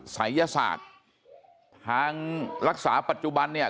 ศัยยศาสตร์ทางรักษาปัจจุบันเนี่ย